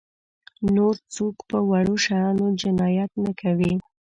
نور څوک په وړو شیانو جنایت نه کوي.